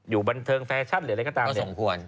อยู่บันเทิงแฟชั่นหรืออะไรก็ตามสมควร